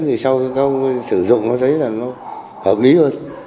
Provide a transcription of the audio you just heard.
thì sau khi các ông sử dụng nó thấy là nó hợp lý hơn